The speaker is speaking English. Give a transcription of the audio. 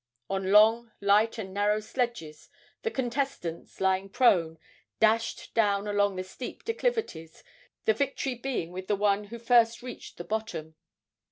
On long, light and narrow sledges the contestants, lying prone, dashed down long and steep declivities, the victory being with the one who first reached the bottom.